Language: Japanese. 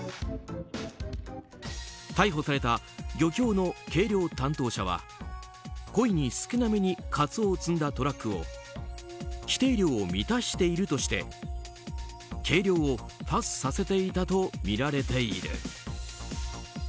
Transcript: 逮捕された漁協の計量担当者は故意に少なめにカツオを積んだトラックを規定量を満たしているとして計量をパスさせていたとみられている。